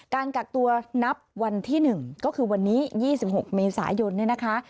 การกักตัวนับวันที่๑ก็คือวันนี้๒๖เมษายนเนี่ยนะคะ